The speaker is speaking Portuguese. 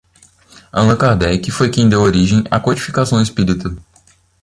Allan Kardec foi quem deu origem à codificação espírita